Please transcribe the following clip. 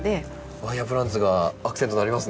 ワイヤープランツがアクセントになりますね。